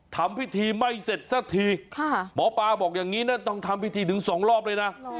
ทำพิธีไม่เสร็จสักทีหมอปลาบอกอย่างนี้นะต้องทำพิธีถึงสองรอบเลยนะ